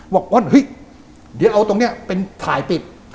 บอกว่าเฮ้ยเดี๋ยวเอาตรงนี้เป็นถ่ายปิด